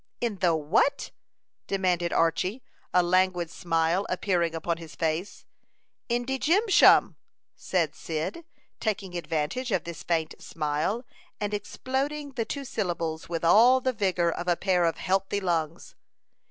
"In the what?" demanded Archy, a languid smile appearing upon his face. "In de gym shum," said Cyd, taking advantage of this faint smile, and exploding the two syllables with all the vigor of a pair of healthy lungs.